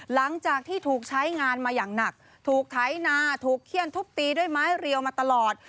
หลังจากที่ถูกใช้งานมาอย่างหนักถูกไถนาถูกเขี้ยนทุบตีด้วยไม้เรียวมาตลอด